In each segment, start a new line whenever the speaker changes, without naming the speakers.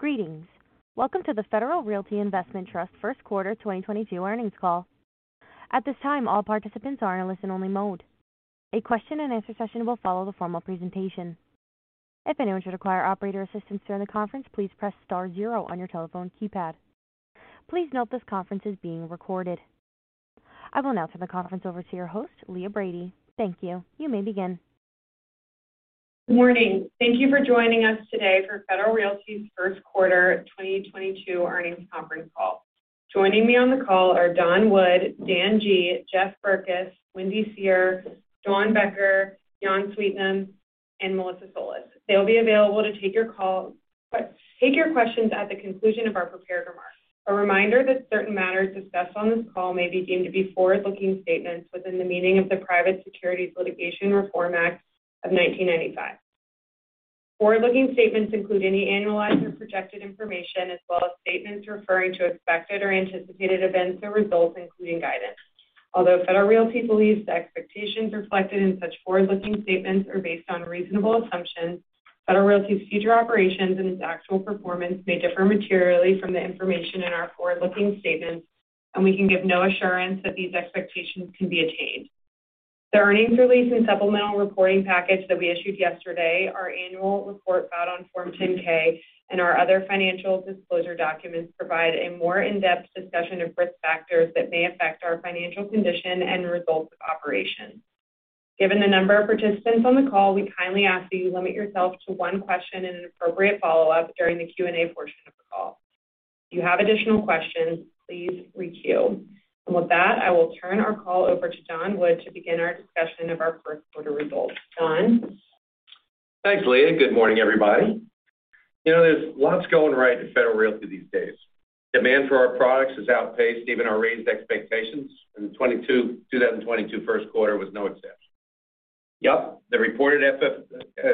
Greetings. Welcome to the Federal Realty Investment Trust Q1 2022 earnings call. At this time, all participants are in a listen only mode. A question and answer session will follow the formal presentation. If anyone should require operator assistance during the conference, please press star zero on your telephone keypad. Please note this conference is being recorded. I will now turn the conference over to your host, Leah Brady. Thank you. You may begin.
Morning. Thank you for joining us today for Federal Realty's Q1 2022 earnings conference call. Joining me on the call are Don Wood, Dan Guglielmone, Jeff Berkes, Wendy Seher, Dawn Becker, Jan Sweetnam, and Melissa Solis. They'll be available to take your questions at the conclusion of our prepared remarks. A reminder that certain matters discussed on this call may be deemed to be forward-looking statements within the meaning of the Private Securities Litigation Reform Act of 1995. Forward-looking statements include any annualized or projected information, as well as statements referring to expected or anticipated events or results, including guidance. Although Federal Realty believes the expectations reflected in such forward-looking statements are based on reasonable assumptions, Federal Realty's future operations and its actual performance may differ materially from the information in our forward-looking statements, and we can give no assurance that these expectations can be attained. The earnings release and supplemental reporting package that we issued yesterday, our annual report filed on Form 10-K and our other financial disclosure documents provide a more in-depth discussion of risk factors that may affect our financial condition and results of operations. Given the number of participants on the call, we kindly ask that you limit yourself to one question and an appropriate follow-up during the Q&A portion of the call. If you have additional questions, please re-queue. With that, I will turn our call over to Don Wood to begin our discussion of our Q1 results. Don?
Thanks, Leah. Good morning, everybody. You know, there's lots going right at Federal Realty these days. Demand for our products has outpaced even our raised expectations, and the 2022 Q1 was no exception. Yep, the reported FFO,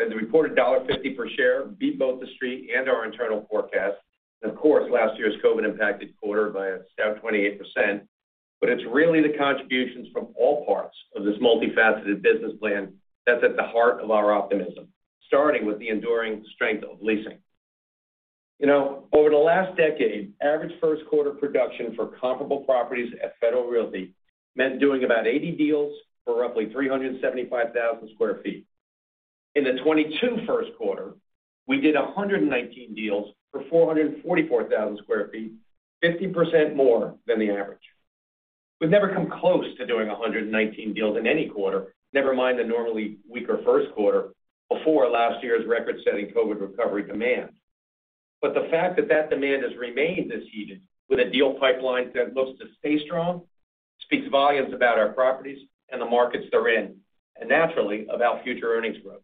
the reported $1.50 per share beat both the Street and our internal forecast. Of course, last year's COVID impacted quarter by a stout 28%. It's really the contributions from all parts of this multifaceted business plan that's at the heart of our optimism, starting with the enduring strength of leasing. You know, over the last decade, average Q1 production for comparable properties at Federal Realty meant doing about 80 deals for roughly 375,000 sq ft. In the 2022 Q1, we did 119 deals for 444,000 sq ft, 50% more than the average. We've never come close to doing 119 deals in any quarter, never mind the normally weaker Q1, before last year's record-setting COVID recovery demand. The fact that that demand has remained this season with a deal pipeline that looks to stay strong speaks volumes about our properties and the markets they're in, and naturally of our future earnings growth.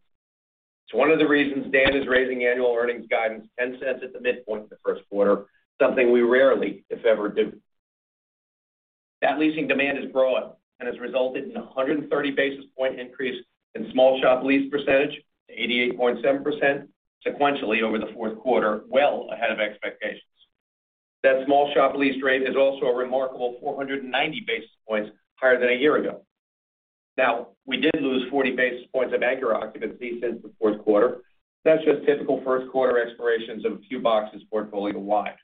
It's one of the reasons Dan is raising annual earnings guidance $0.10 at the midpoint in the Q1, something we rarely, if ever, do. That leasing demand is growing and has resulted in a 130 basis point increase in small shop lease percentage to 88.7% sequentially over the Q4, well ahead of expectations. That small shop lease rate is also a remarkable 490 basis points higher than a year ago. Now, we did lose 40 basis points of anchor occupancy since the Q4. That's just typical Q1 expirations of a few boxes portfolio-wide.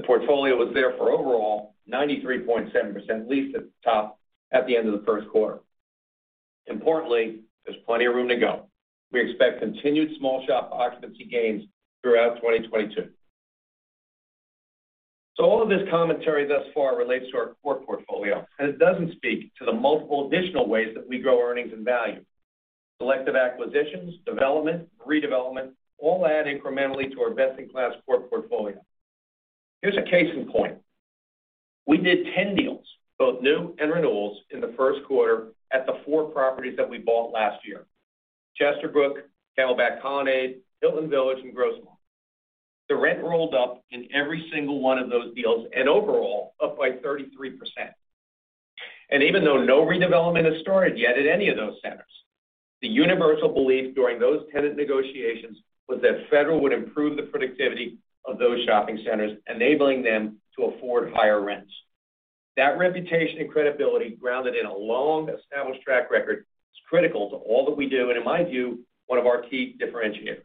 The portfolio was there for overall 93.7% leased at the top at the end of the Q1. Importantly, there's plenty of room to go. We expect continued small shop occupancy gains throughout 2022. All of this commentary thus far relates to our core portfolio, and it doesn't speak to the multiple additional ways that we grow earnings and value. Selective acquisitions, development, redevelopment all add incrementally to our best-in-class core portfolio. Here's a case in point. We did 10 deals, both new and renewals, in the Q1 at the four properties that we bought last year. Chesterbrook, Camelback Colonnade, Hilton Village, and Grossmont. The rent rolled up in every single one of those deals and overall up by 33%. Even though no redevelopment has started yet at any of those centers, the universal belief during those tenant negotiations was that Federal would improve the productivity of those shopping centers, enabling them to afford higher rents. That reputation and credibility grounded in a long-established track record is critical to all that we do, and in my view, one of our key differentiators.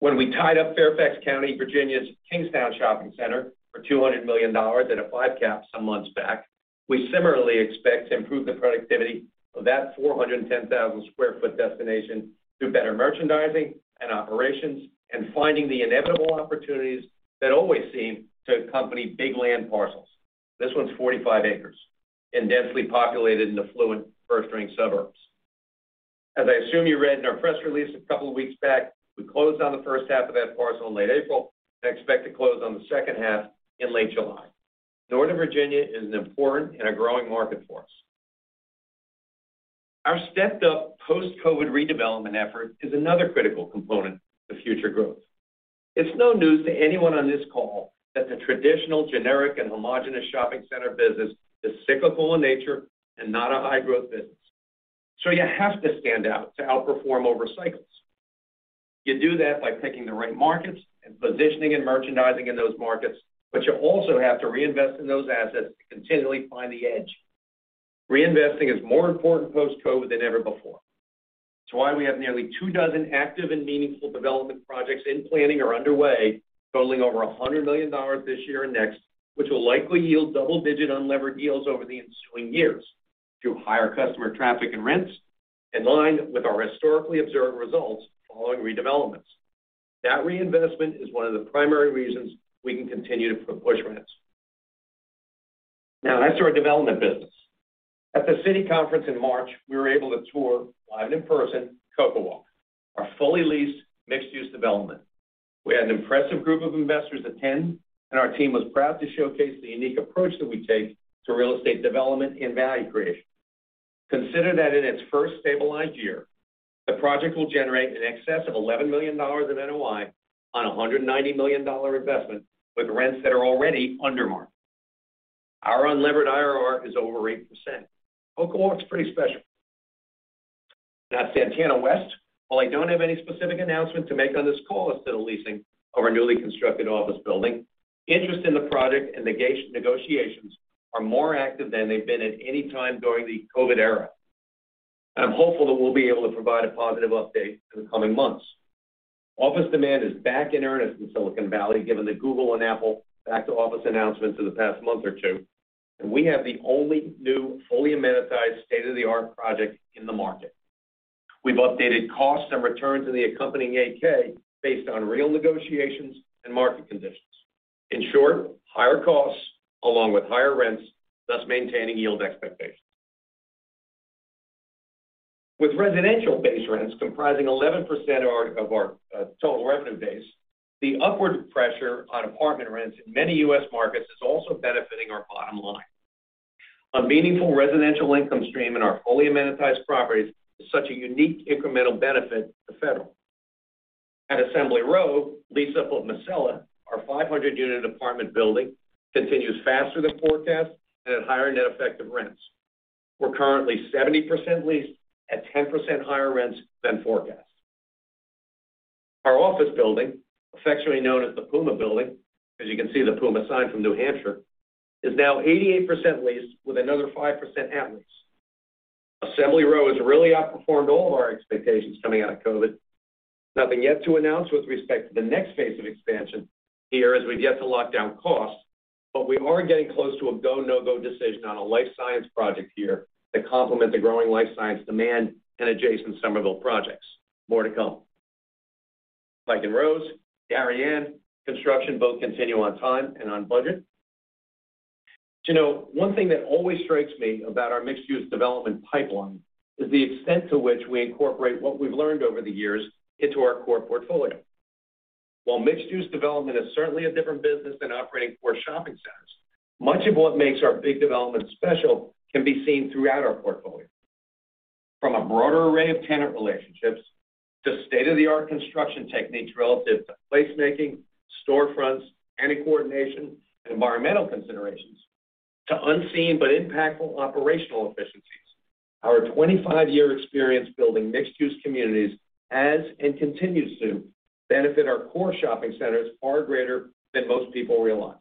When we tied up Fairfax County, Virginia's Kingstowne Towne Center for $200 million at a five cap some months back, we similarly expect to improve the productivity of that 410,000 sq ft destination through better merchandising and operations and finding the inevitable opportunities that always seem to accompany big land parcels. This one's 45 acres and densely populated in the affluent first ring suburbs. As I assume you read in our press release a couple of weeks back, we closed on the first half of that parcel in late April and expect to close on the second half in late July. Northern Virginia is an important and a growing market for us. Our stepped-up post-COVID redevelopment effort is another critical component to future growth. It's no news to anyone on this call that the traditional generic and homogenous shopping center business is cyclical in nature and not a high growth business. You have to stand out to outperform over cycles. You do that by picking the right markets and positioning and merchandising in those markets, but you also have to reinvest in those assets to continually find the edge. Reinvesting is more important post-COVID than ever before. It's why we have nearly two dozen active and meaningful development projects in planning or underway, totaling over $100 million this year and next, which will likely yield double-digit unlevered yields over the ensuing years through higher customer traffic and rents, in line with our historically observed results following redevelopments. That reinvestment is one of the primary reasons we can continue to push rents. Now on to our development business. At the Citi conference in March, we were able to tour live and in person CocoWalk, our fully leased mixed-use development. We had an impressive group of investors attend, and our team was proud to showcase the unique approach that we take to real estate development and value creation. Consider that in its first stabilized year, the project will generate in excess of $11 million of NOI on a $190 million investment with rents that are already under market. Our unlevered IRR is over 8%. CocoWalk is pretty special. Now at Santana West, while I don't have any specific announcement to make on this call as to the leasing of our newly constructed office building, interest in the project and negotiations are more active than they've been at any time during the COVID era. I'm hopeful that we'll be able to provide a positive update in the coming months. Office demand is back in earnest in Silicon Valley, given the Google and Apple back-to-office announcements in the past month or two, and we have the only new fully amenitized state-of-the-art project in the market. We've updated costs and returns in the accompanying 8-K based on real negotiations and market conditions. In short, higher costs along with higher rents, thus maintaining yield expectations. With residential base rents comprising 11% of our total revenue base, the upward pressure on apartment rents in many U.S. markets is also benefiting our bottom line. A meaningful residential income stream in our fully amenitized properties is such a unique incremental benefit to Federal. At Assembly Row, lease-up of Miscela, our 500-unit apartment building, continues faster than forecast and at higher net effective rents. We're currently 70% leased at 10% higher rents than forecast. Our office building, affectionately known as the PUMA Building, as you can see the PUMA sign from New Hampshire, is now 88% leased with another 5% at lease. Assembly Row has really outperformed all of our expectations coming out of COVID. Nothing yet to announce with respect to the next phase of expansion here as we've yet to lock down costs, but we are getting close to a go, no-go decision on a life science project here that complement the growing life science demand in adjacent Somerville projects. More to come. Pike & Rose and Darien construction both continue on time and on budget. You know, one thing that always strikes me about our mixed-use development pipeline is the extent to which we incorporate what we've learned over the years into our core portfolio. While mixed-use development is certainly a different business than operating core shopping centers, much of what makes our big developments special can be seen throughout our portfolio. From a broader array of tenant relationships to state-of-the-art construction techniques relative to placemaking, storefronts, tenant coordination and environmental considerations to unseen but impactful operational efficiencies. Our 25-year experience building mixed-use communities has and continues to benefit our core shopping centers far greater than most people realize.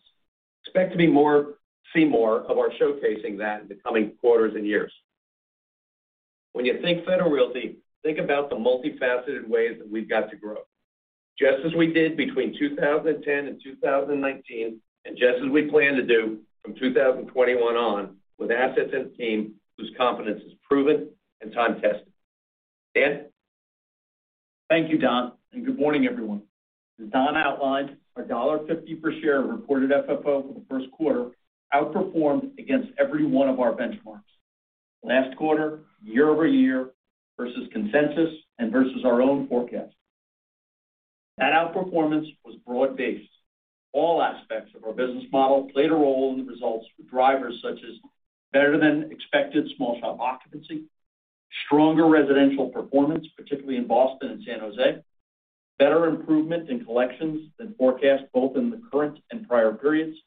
Expect to see more of our showcasing that in the coming quarters and years. When you think Federal Realty, think about the multifaceted ways that we've got to grow. Just as we did between 2010 and 2019, and just as we plan to do from 2021 on with assets and team whose competence is proven and time-tested. Dan. Thank you, Don, and good morning, everyone. As Don outlined, our $1.50 per share of reported FFO for the Q1 outperformed against every one of our benchmarks, last quarter, year-over-year, versus consensus, and versus our own forecast. That outperformance was broad-based. All aspects of our business model played a role in the results with drivers such as better than expected small shop occupancy, stronger residential performance, particularly in Boston and San Jose, better improvement in collections than forecast, both in the current and prior periods,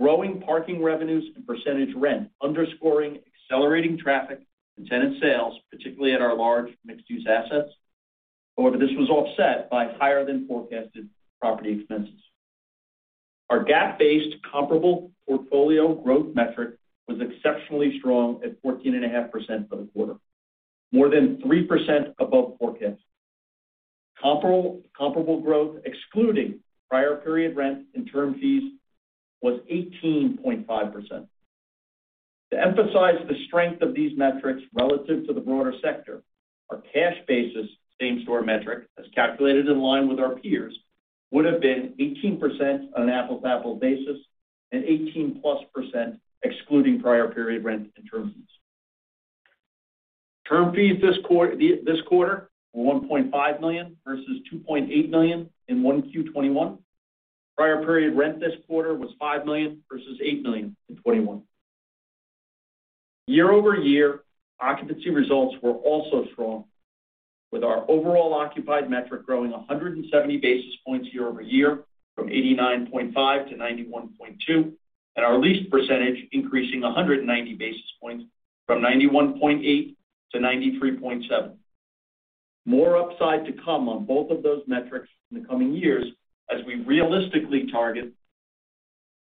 growing parking revenues and percentage rent underscoring accelerating traffic and tenant sales, particularly at our large mixed-use assets. However, this was offset by higher than forecasted property expenses. Our GAAP-based comparable portfolio growth metric was exceptionally strong at 14.5% for the quarter, more than 3% above forecast. Comparable growth excluding prior period rent and term fees was 18.5%. To emphasize the strength of these metrics relative to the broader sector, our cash basis same-store metric, as calculated in line with our peers, would have been 18% on an apples-to-apples basis and 18%+ excluding prior period rent and term fees. Term fees this quarter $1.5 million versus $2.8 million in 1Q 2021. Prior period rent this quarter was $5 million versus $8 million in 2021. Year over year, occupancy results were also strong, with our overall occupied metric growing 170 basis points year over year from 89.5% to 91.2%, and our lease percentage increasing 190 basis points from 91.8% to 93.7%. More upside to come on both of those metrics in the coming years as we realistically target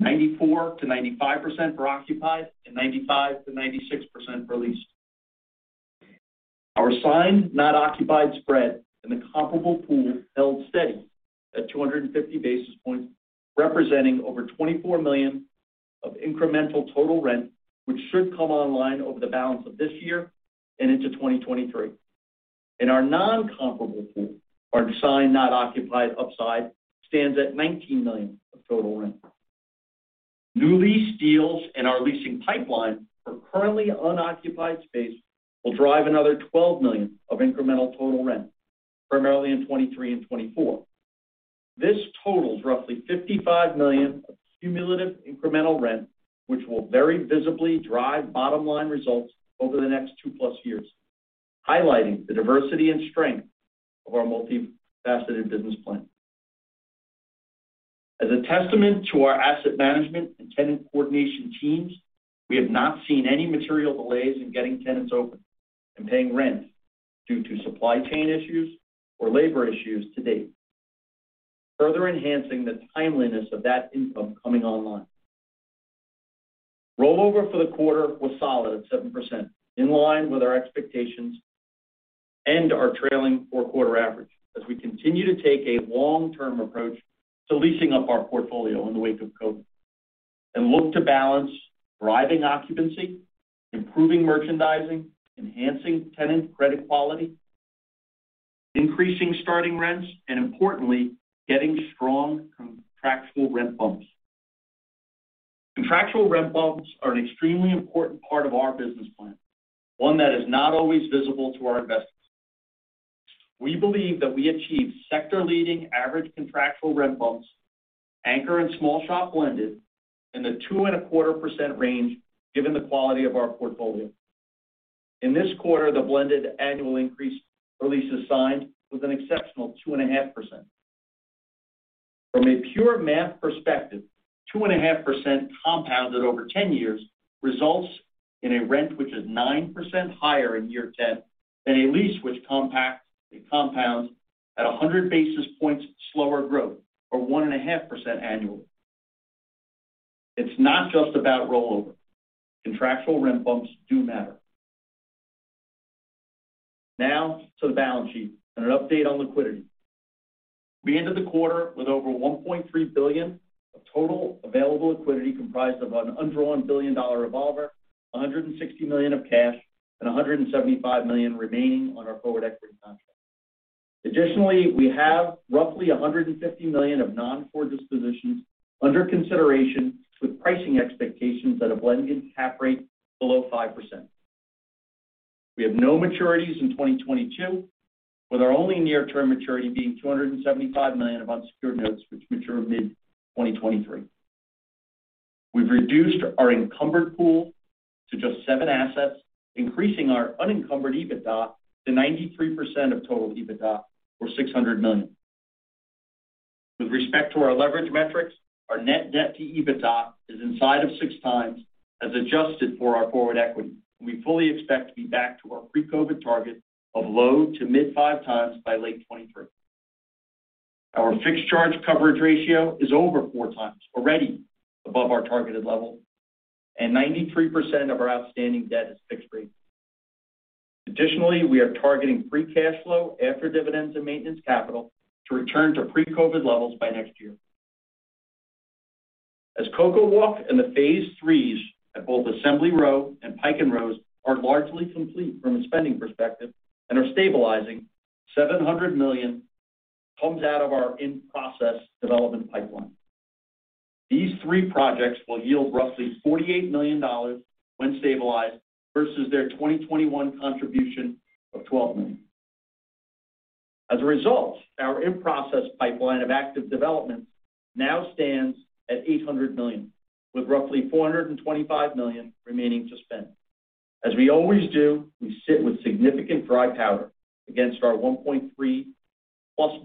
94%-95% for occupied and 95%-96% for leased. Our signed not occupied spread in the comparable pool held steady at 250 basis points, representing over $24 million of incremental total rent, which should come online over the balance of this year and into 2023. In our non-comparable pool, our signed not occupied upside stands at $19 million of total rent. New lease deals in our leasing pipeline for currently unoccupied space will drive another $12 million of incremental total rent, primarily in 2023 and 2024. This totals roughly $55 million of cumulative incremental rent, which will very visibly drive bottom line results over the next 2+ years, highlighting the diversity and strength of our multifaceted business plan. As a testament to our asset management and tenant coordination teams, we have not seen any material delays in getting tenants open and paying rent due to supply chain issues or labor issues to date, further enhancing the timeliness of that income coming online. Rollover for the quarter was solid at 7%, in line with our expectations and our trailing four-quarter average as we continue to take a long-term approach to leasing up our portfolio in the wake of COVID. Look to balance driving occupancy, improving merchandising, enhancing tenant credit quality, increasing starting rents, and importantly, getting strong contractual rent bumps. Contractual rent bumps are an extremely important part of our business plan, one that is not always visible to our investors. We believe that we achieve sector leading average contractual rent bumps, anchor and small shop blended in the 2.25% range given the quality of our portfolio. In this quarter, the blended annual increase for leases signed was an exceptional 2.5%. From a pure math perspective, 2.5% compounded over 10 years results in a rent which is 9% higher in year ten than a lease which it compounds at a hundred basis points slower growth or 1.5% annually. It's not just about rollover. Contractual rent bumps do matter. Now to the balance sheet and an update on liquidity. We ended the quarter with over $1.3 billion of total available liquidity comprised of an undrawn $1 billion revolver, $160 million of cash, and $175 million remaining on our forward equity contract. Additionally, we have roughly $150 million of non-core dispositions under consideration with pricing expectations at a blended cap rate below 5%. We have no maturities in 2022, with our only near-term maturity being $275 million of unsecured notes which mature mid-2023. We've reduced our encumbered pool to just 7 assets, increasing our unencumbered EBITDA to 93% of total EBITDA, or $600 million. With respect to our leverage metrics, our net debt to EBITDA is inside of 6x as adjusted for our forward equity. We fully expect to be back to our pre-COVID target of low- to mid-5x by late 2023. Our fixed charge coverage ratio is over 4x already above our targeted level, and 93% of our outstanding debt is fixed rate. Additionally, we are targeting free cash flow after dividends and maintenance capital to return to pre-COVID levels by next year. As CocoWalk and the phase threes at both Assembly Row and Pike & Rose are largely complete from a spending perspective and are stabilizing, $700 million comes out of our in-process development pipeline. These three projects will yield roughly $48 million when stabilized versus their 2021 contribution of $12 million. As a result, our in-process pipeline of active development now stands at $800 million, with roughly $425 million remaining to spend. As we always do, we sit with significant dry powder against our $1.3+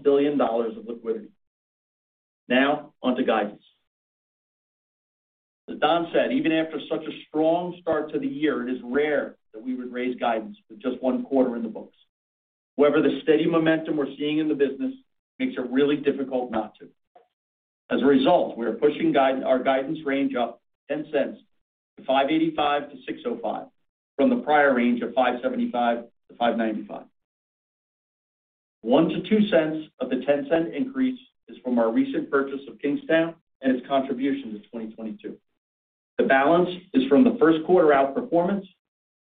billion of liquidity. Now on to guidance. As Don said, even after such a strong start to the year, it is rare that we would raise guidance with just one quarter in the books. However, the steady momentum we're seeing in the business makes it really difficult not to. As a result, we are pushing our guidance range up 10 cents to $5.85-$6.05 from the prior range of $5.75-$5.95. 1-2 cents of the 10 cent increase is from our recent purchase of Kingstowne and its contribution to 2022. The balance is from the Q1 outperformance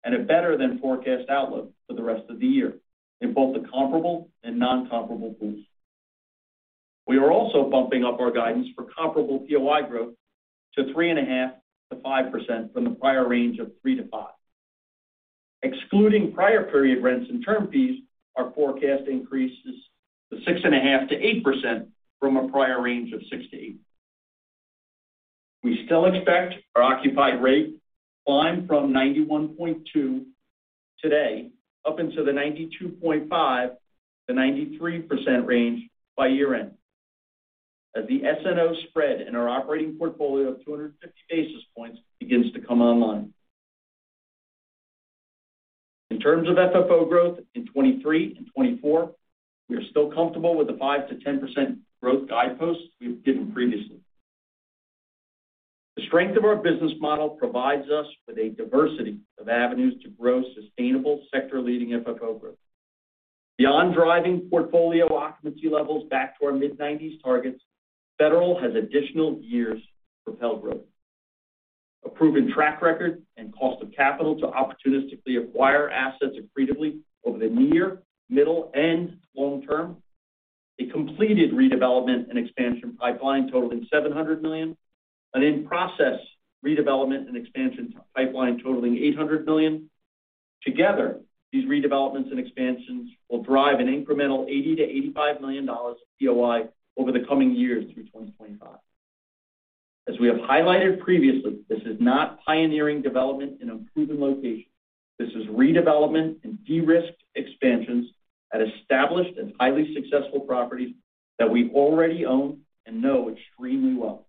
and a better than forecast outlook for the rest of the year in both the comparable and non-comparable pools. We are also bumping up our guidance for comparable POI growth to 3.5%-5% from the prior range of 3%-5%. Excluding prior period rents and term fees, our forecast increases to 6.5%-8% from a prior range of 6%-8%. We still expect our occupied rate to climb from 91.2% today up into the 92.5%-93% range by year-end. As the SNO spread in our operating portfolio of 250 basis points begins to come online. In terms of FFO growth in 2023 and 2024, we are still comfortable with the 5%-10% growth guideposts we've given previously. The strength of our business model provides us with a diversity of avenues to grow sustainable sector-leading FFO growth. Beyond driving portfolio occupancy levels back to our mid-90s targets, Federal has additional gears to propel growth. A proven track record and cost of capital to opportunistically acquire assets accretively over the near, middle, and long term. A completed redevelopment and expansion pipeline totaling $700 million. An in-process redevelopment and expansion pipeline totaling $800 million. Together, these redevelopments and expansions will drive an incremental $80-$85 million of POI over the coming years through 2025. As we have highlighted previously, this is not pioneering development in a proven location. This is redevelopment and de-risked expansions at established and highly successful properties that we already own and know extremely well.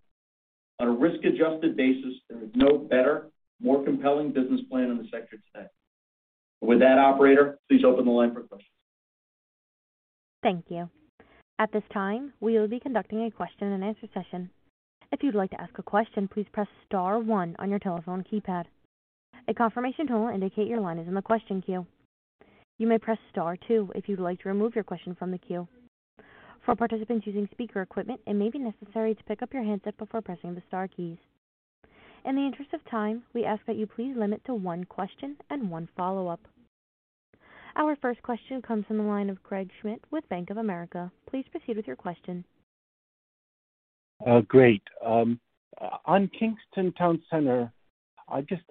On a risk-adjusted basis, there is no better, more compelling business plan in the sector today. With that, operator, please open the line for questions.
Thank you. At this time, we will be conducting a question-and-answer session. If you'd like to ask a question, please press star one on your telephone keypad. A confirmation tone will indicate your line is in the question queue. You may press star two if you'd like to remove your question from the queue. For participants using speaker equipment, it may be necessary to pick up your handset before pressing the star keys. In the interest of time, we ask that you please limit to one question and one follow-up. Our first question comes from the line of Craig Schmidt with Bank of America. Please proceed with your question.
Great. On Kingstowne Towne Center, I'm just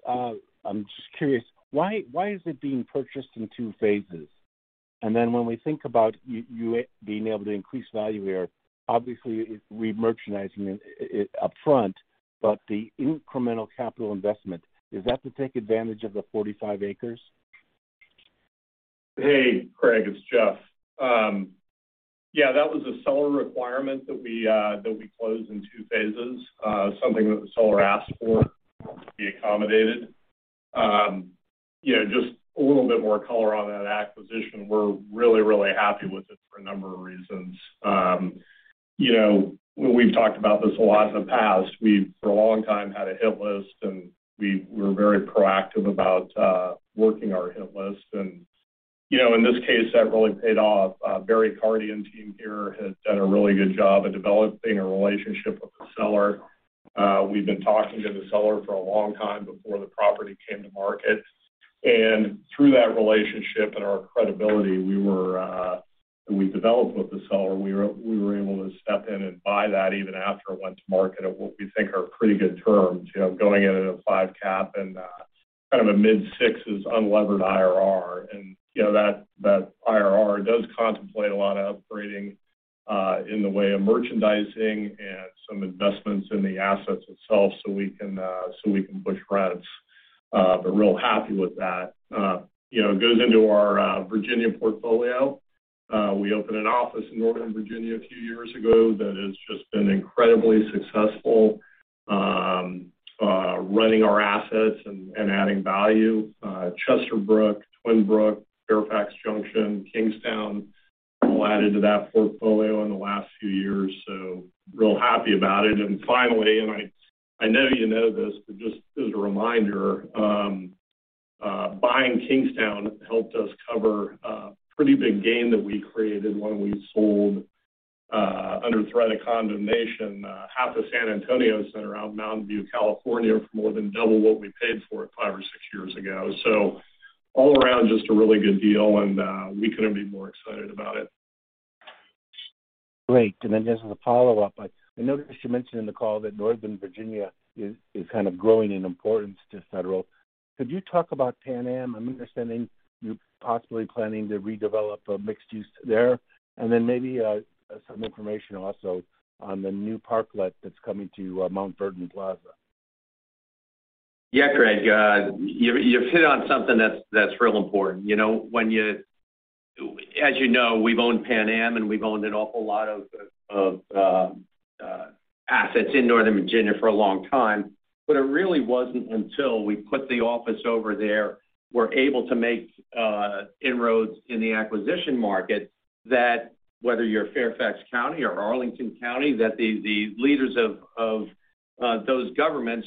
curious why is it being purchased in two phases? Then when we think about you being able to increase value here, obviously, it's remerchandising it upfront, but the incremental capital investment is that to take advantage of the 45 acres?
Hey, Craig, it's Jeff. Yeah, that was a seller requirement that we close in two phases. Something that the seller asked for to be accommodated. You know, just a little bit more color on that acquisition. We're really, really happy with it for a number of reasons. You know, we've talked about this a lot in the past. We've for a long time had a hit list, and we're very proactive about working our hit list. You know, in this case, that really paid off. Barry Carty team here has done a really good job at developing a relationship with the seller. We've been talking to the seller for a long time before the property came to market. Through that relationship and our credibility, we developed with the seller. We were able to step in and buy that even after it went to market at what we think are pretty good terms, you know, going in at a 5 cap and kind of a mid-sixes unlevered IRR. You know, that IRR does contemplate a lot of upgrading in the way of merchandising and some investments in the assets itself, so we can push rents. Real happy with that. You know, it goes into our Virginia portfolio. We opened an office in Northern Virginia a few years ago that has just been incredibly successful running our assets and adding value. Chesterbrook, Twinbrook, Fairfax Junction, Kingstowne all added to that portfolio in the last few years, so real happy about it. Finally, I know you know this, but just as a reminder, buying Kingstowne helped us cover a pretty big gain that we created when we sold, under threat of condemnation, half of San Antonio Center out in Mountain View, California, for more than double what we paid for it five or six years ago. All around, just a really good deal, and we couldn't be more excited about it.
Great. Just as a follow-up, I noticed you mentioned in the call that Northern Virginia is kind of growing in importance to Federal. Could you talk about Pan Am? I'm understanding you're possibly planning to redevelop a mixed-use there, and then maybe some information also on the new parklet that's coming to Mount Vernon Plaza.
Yeah, Craig, you hit on something that's real important. You know, as you know, we've owned Pan Am, and we've owned an awful lot of assets in Northern Virginia for a long time. It really wasn't until we put the office over there, we're able to make inroads in the acquisition market that whether you're Fairfax County or Arlington County, that the leaders of those governments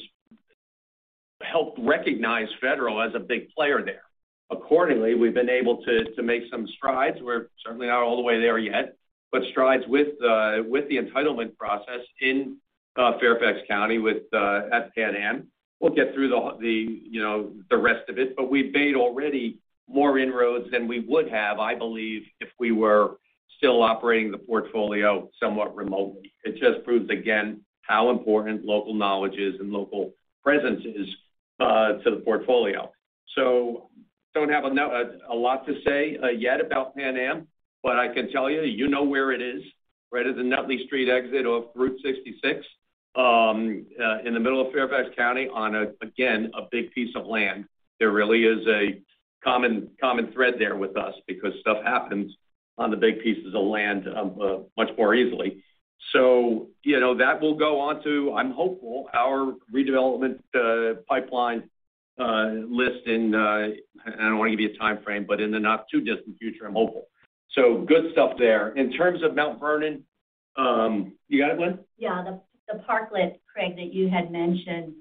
helped recognize Federal as a big player there. Accordingly, we've been able to make some strides. We're certainly not all the way there yet, but strides with the entitlement process in Fairfax County with at Pan Am. We'll get through you know the rest of it, but we've made already more inroads than we would have, I believe, if we were still operating the portfolio somewhat remotely. It just proves again how important local knowledge is and local presence is to the portfolio. Don't have a lot to say yet about Pan Am, but I can tell you know where it is, right at the Nutley Street exit off Route 66. In the middle of Fairfax County on a big piece of land. There really is a common thread there with us because stuff happens on the big pieces of land much more easily. You know, that will go on to our redevelopment pipeline list, I'm hopeful. I don't want to give you a timeframe, but in the not too distant future, I'm hopeful. Good stuff there. In terms of Mount Vernon, you got it, Wendy Seher?
Yeah. The parklet, Craig, that you had mentioned.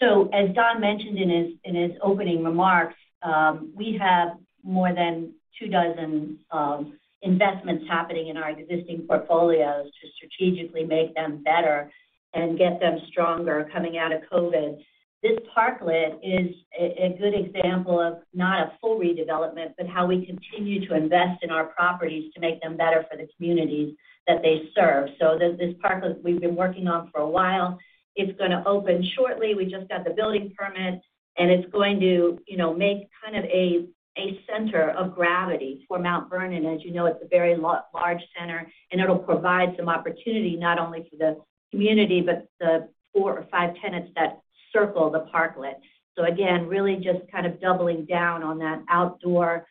As Don mentioned in his opening remarks, we have more than two dozen investments happening in our existing portfolios to strategically make them better and get them stronger coming out of COVID. This parklet is a good example of not a full redevelopment, but how we continue to invest in our properties to make them better for the communities that they serve. This parklet we've been working on for a while. It's gonna open shortly. We just got the building permit, and it's going to, you know, make kind of a center of gravity for Mount Vernon. As you know, it's a very large center, and it'll provide some opportunity not only for the community but the four to five tenants that circle the parklet. Again, really just kind of doubling down on that outdoor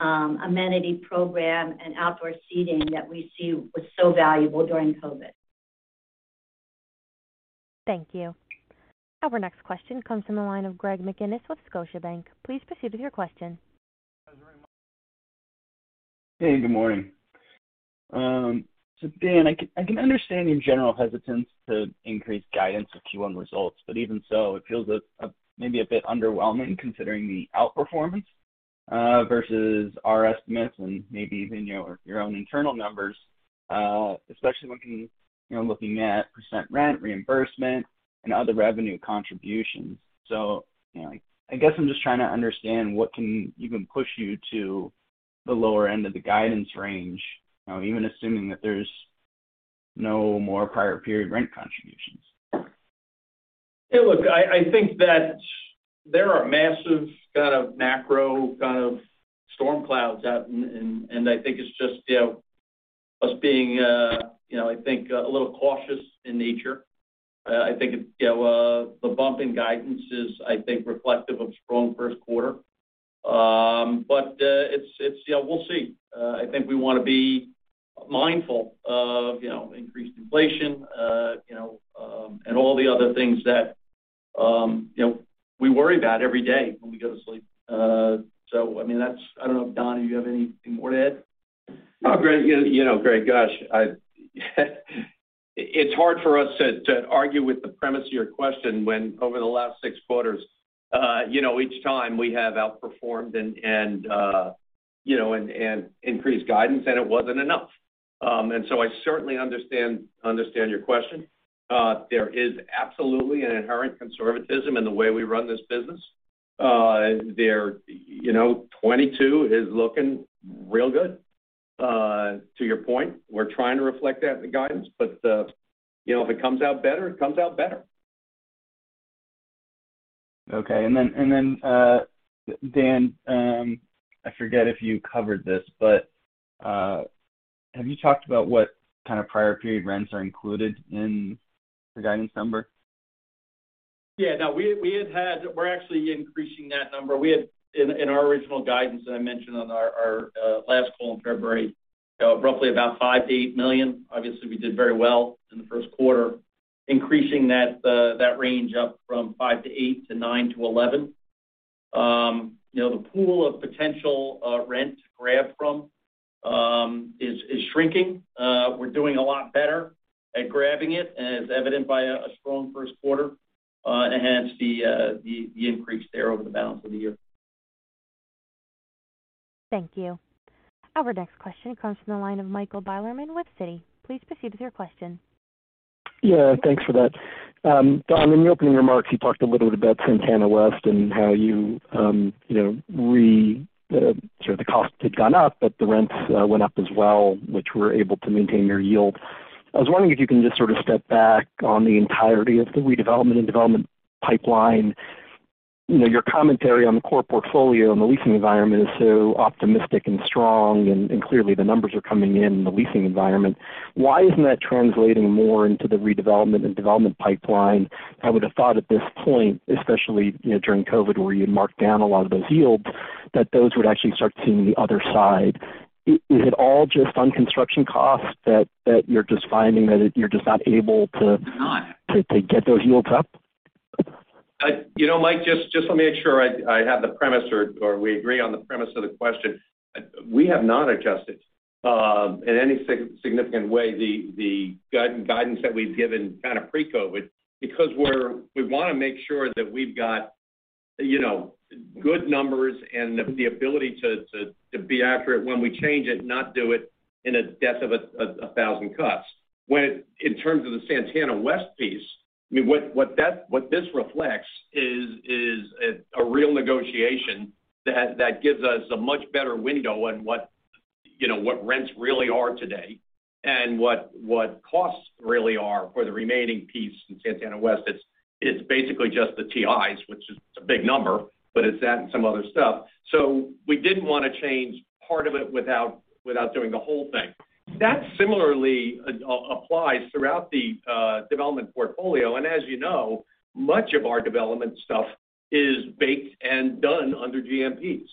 amenity program and outdoor seating that we see was so valuable during COVID.
Thank you. Our next question comes from the line of Greg McGinniss with Scotiabank. Please proceed with your question.
Hey, good morning. Dan, I can understand your general hesitance to increase guidance of Q1 results, but even so, it feels maybe a bit underwhelming considering the outperformance versus our estimates and maybe even your own internal numbers, especially looking, you know, at percent rent reimbursement and other revenue contributions. You know, I guess I'm just trying to understand what can even push you to the lower end of the guidance range, even assuming that there's no more prior period rent contributions.
Hey, look, I think that there are massive macro storm clouds out, and I think it's just, you know, us being, you know, I think a little cautious in nature. I think it's, you know, the bump in guidance is, I think, reflective of strong Q1. It's, you know, we'll see. I think we wanna be mindful of, you know, increased inflation, you know, and all the other things that, you know, we worry about every day when we go to sleep. I mean, that's. I don't know if Don, you have anything more to add? No, Greg. You know, Greg, gosh, I. It's hard for us to argue with the premise of your question when over the last six quarters, each time we have outperformed and increased guidance, and it wasn't enough. I certainly understand your question. There is absolutely an inherent conservatism in the way we run this business. 2022 is looking real good. To your point, we're trying to reflect that in the guidance, but, you know, if it comes out better, it comes out better.
Okay. Don, I forget if you covered this, but have you talked about what kind of prior period rents are included in the guidance number?
Yeah. No, we had. We're actually increasing that number. We had in our original guidance that I mentioned on our last call in February, roughly about $5 million-$8 million. Obviously, we did very well in the fQ1, increasing that range up from $5 million-$8 million to $9 million-$11 million. You know, the pool of potential rent to grab from is shrinking. We're doing a lot better at grabbing it as evident by a strong Q1, and hence the increase there over the balance of the year.
Thank you. Our next question comes from the line of Michael Bilerman with Citi. Please proceed with your question.
Yeah. Thanks for that. Don, in your opening remarks, you talked a little bit about Santana West and how you know, sort of the costs had gone up, but the rents went up as well, which we're able to maintain our yield. I was wondering if you can just sort of step back on the entirety of the redevelopment and development pipeline. You know, your commentary on the core portfolio and the leasing environment is so optimistic and strong, and clearly the numbers are coming in the leasing environment. Why isn't that translating more into the redevelopment and development pipeline? I would have thought at this point, especially, you know, during COVID, where you marked down a lot of those yields, that those would actually start seeing the other side. Is it all just on construction costs that you're just finding that you're just not able to?
No...
to get those yields up?
You know, Mike, just let me make sure I have the premise or we agree on the premise of the question. We have not adjusted in any significant way the guidance that we've given kind of pre-COVID because we wanna make sure that we've got, you know, good numbers and the ability to be accurate when we change it, not do it in a death of a thousand cuts. In terms of the Santana West piece, I mean, what that—what this reflects is a real negotiation that gives us a much better window on what, you know, what rents really are today and what costs really are for the remaining piece in Santana West that's. It's basically just the TIs, which is a big number, but it's that and some other stuff. We didn't wanna change part of it without doing the whole thing. That similarly applies throughout the development portfolio. As you know, much of our development stuff is baked and done under GMPs.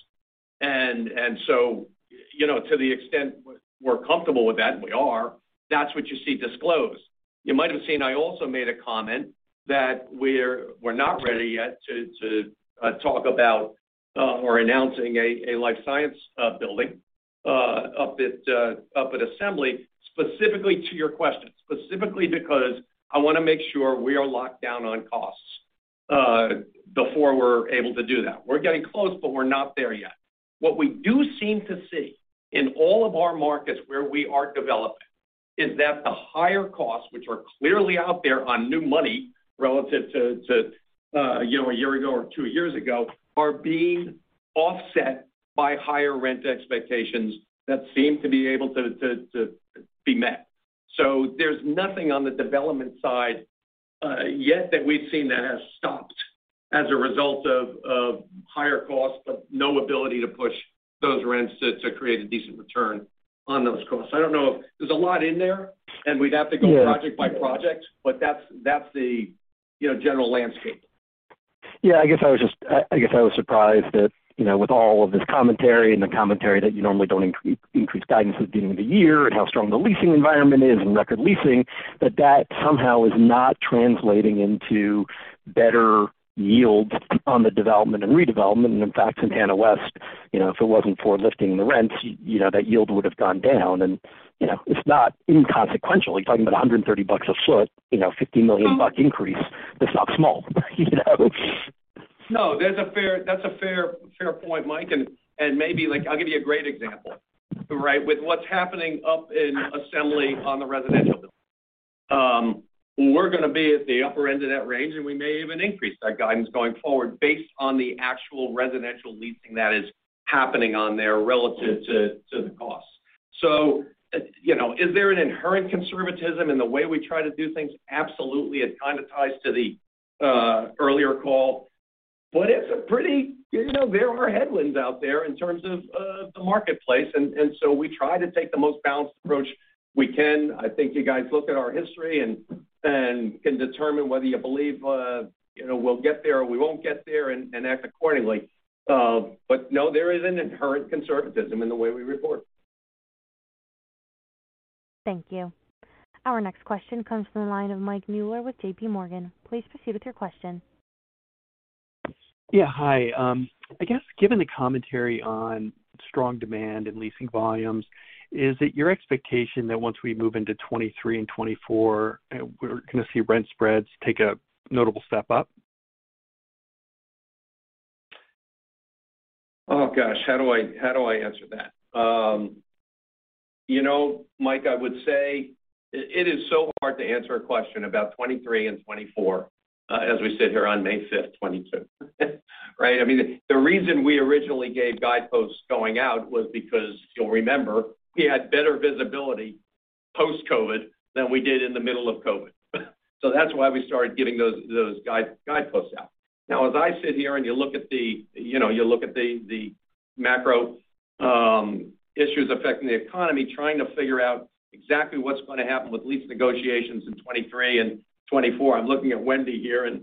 You know, to the extent we're comfortable with that, and we are, that's what you see disclosed. You might have seen I also made a comment that we're not ready yet to talk about or announcing a life science building up at Assembly, specifically to your question. Specifically because I wanna make sure we are locked down on costs before we're able to do that. We're getting close, but we're not there yet. What we do seem to see in all of our markets where we are developing is that the higher costs, which are clearly out there on new money relative to you know a year ago or two years ago, are being offset by higher rent expectations that seem to be able to be met. There's nothing on the development side yet that we've seen that has stopped as a result of higher costs, but no ability to push those rents to create a decent return on those costs. I don't know. There's a lot in there, and we'd have to go project by project, but that's the you know general landscape.
Yeah. I guess I was surprised that, you know, with all of this commentary and the commentary that you normally don't increase guidance at the beginning of the year, and how strong the leasing environment is, and record leasing, that somehow is not translating into better yields on the development and redevelopment. In fact, in Santana West, you know, if it wasn't for lifting the rents, you know, that yield would have gone down. You know, it's not inconsequential. You're talking about $130 a foot, you know, $50 million increase. That's not small, you know.
No, that's a fair point, Mike. Maybe like I'll give you a great example, right? With what's happening up in Assembly on the residential. We're gonna be at the upper end of that range, and we may even increase that guidance going forward based on the actual residential leasing that is happening on there relative to the costs. You know, is there an inherent conservatism in the way we try to do things? Absolutely. It kinda ties to the earlier call. It's a pretty. You know, there are headwinds out there in terms of the marketplace. So we try to take the most balanced approach we can. I think you guys look at our history and can determine whether you believe, you know, we'll get there or we won't get there and act accordingly. No, there is an inherent conservatism in the way we report.
Thank you. Our next question comes from the line of Mike Mueller with JPMorgan. Please proceed with your question.
Yeah, hi. I guess given the commentary on strong demand and leasing volumes, is it your expectation that once we move into 2023 and 2024, we're gonna see rent spreads take a notable step up?
Oh, gosh, how do I answer that? You know, Mike, I would say it is so hard to answer a question about 2023 and 2024, as we sit here on May 5, 2022, right? I mean, the reason we originally gave guideposts going out was because, you'll remember, we had better visibility post-COVID than we did in the middle of COVID. That's why we started giving those guideposts out. Now as I sit here and you look at the macro issues affecting the economy, trying to figure out exactly what's gonna happen with lease negotiations in 2023 and 2024, I'm looking at Wendy here, and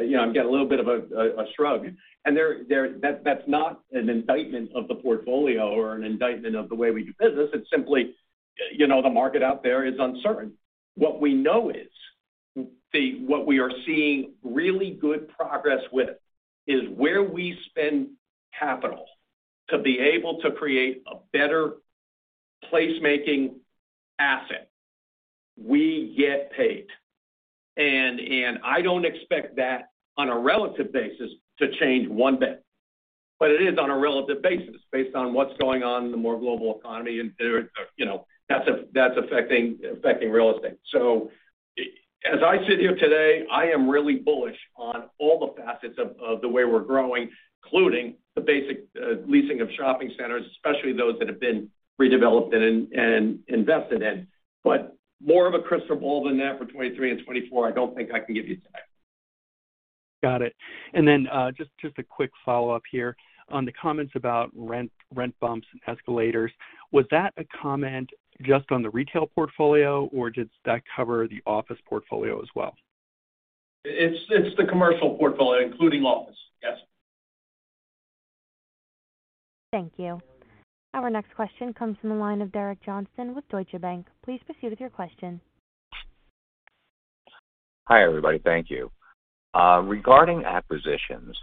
you know, I'm getting a little bit of a shrug. There. That's not an indictment of the portfolio or an indictment of the way we do business. It's simply, you know, the market out there is uncertain. What we know is what we are seeing really good progress with is where we spend capital to be able to create a better placemaking asset, we get paid. I don't expect that on a relative basis to change one bit. But it is on a relative basis, based on what's going on in the more global economy, and there, you know, that's affecting real estate. As I sit here today, I am really bullish on all the facets of the way we're growing, including the basic leasing of shopping centers, especially those that have been redeveloped and invested in. more of a crystal ball than that for 2023 and 2024, I don't think I can give you today.
Got it. Just a quick follow-up here. On the comments about rent bumps and escalators, was that a comment just on the retail portfolio, or does that cover the office portfolio as well?
It's the commercial portfolio, including office. Yes.
Thank you. Our next question comes from the line of Derek Johnston with Deutsche Bank. Please proceed with your question.
Hi, everybody. Thank you. Regarding acquisitions,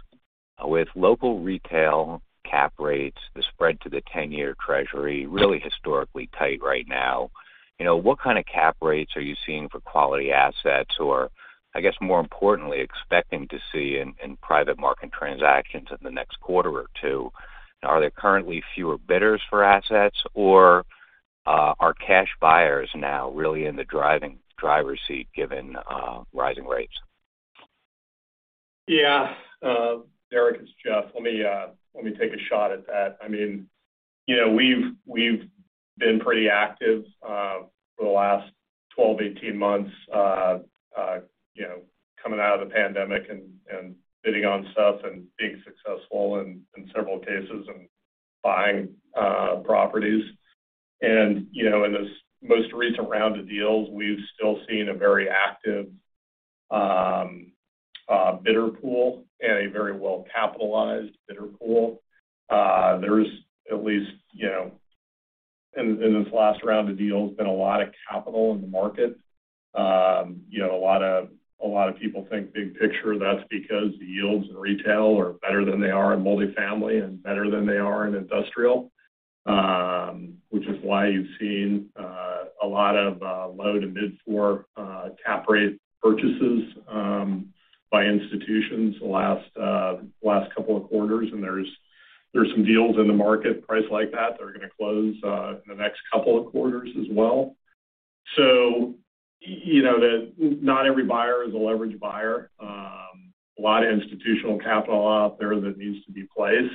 with local retail cap rates, the spread to the ten-year treasury really historically tight right now, you know, what kind of cap rates are you seeing for quality assets? Or I guess more importantly, expecting to see in private market transactions in the next quarter or two. Are there currently fewer bidders for assets, or are cash buyers now really in the driver's seat given rising rates?
Yeah.
Derek, it's Jeff. Let me take a shot at that. I mean, you know, we've been pretty active for the last 12-18 months, you know, coming out of the pandemic and bidding on stuff and being successful in several cases and buying properties. You know, in this most recent round of deals, we've still seen a very active bidder pool and a very well-capitalized bidder pool. There's at least, you know, in this last round of deals, been a lot of capital in the market. You know, a lot of people think big picture, that's because the yields in retail are better than they are in multifamily and better than they are in industrial, which is why you've seen a lot of low- to mid-4 cap rate purchases by institutions the last couple of quarters. There's some deals in the market priced like that that are gonna close in the next couple of quarters as well. You know that not every buyer is a leverage buyer. A lot of institutional capital out there that needs to be placed.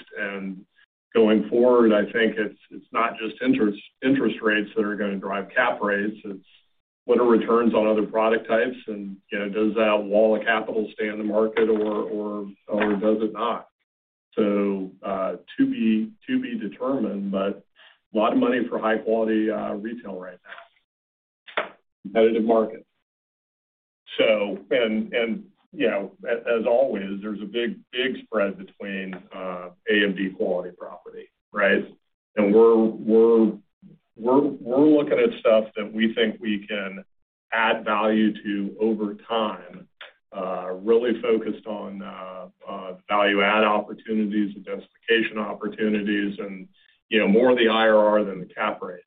Going forward, I think it's not just interest rates that are gonna drive cap rates, it's what are returns on other product types and does that wall of capital stay in the market or does it not? To be determined, but a lot of money for high-quality retail right now. Competitive market. As always, there's a big spread between A and B quality property, right? We're looking at stuff that we think we can add value to over time. Really focused on value add opportunities, identification opportunities, and more the IRR than the cap rate.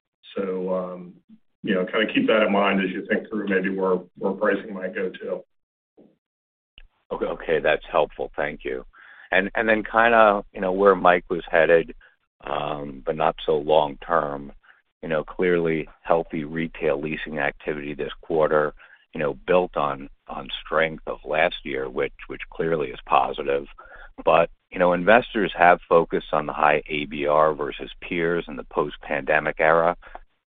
Kind of keep that in mind as you think through maybe where pricing might go to.
Okay, that's helpful. Thank you. Then kind of, you know, where Mike was headed, but not so long term, you know, clearly healthy retail leasing activity this quarter, you know, built on strength of last year, which clearly is positive. You know, investors have focused on the high ABR versus peers in the post-pandemic era